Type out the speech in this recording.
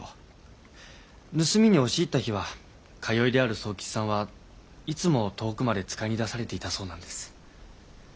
盗みに押し入った日は通いである左右吉さんはいつも遠くまで使いに出されていたそうなんです。